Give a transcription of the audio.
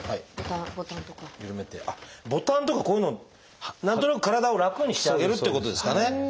ボタンとかこういうのを何となく体を楽にしてあげるっていうことですかね。